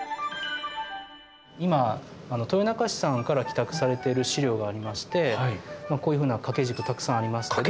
今豊中市さんから寄託されてる資料がありましてこういうふうな掛け軸たくさんありますけど。